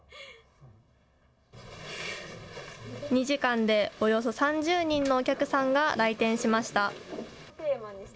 ２時間でおよそ３０人のお客さんが来店しました。